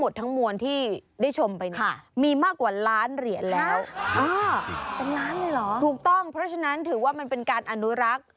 ได้ชมไปนี่มีมากกว่าล้านเหรียญแล้วอ้าวถูกต้องเพราะฉะนั้นถือว่ามันเป็นการอนุรักษ์